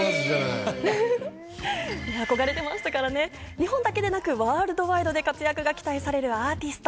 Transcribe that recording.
日本だけでなくワールドワイドで活躍が期待されるアーティスト。